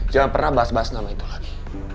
jangan pernah bahas bahas nama itu lagi